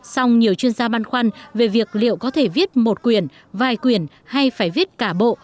song nhiều chuyên gia băn khoăn về việc liệu có thể viết một quyền vài quyển hay phải viết cả bộ